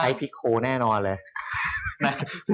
ใช้พิโคแน่นอนเลย